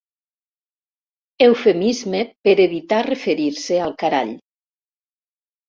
Eufemisme per evitar referir-se al carall.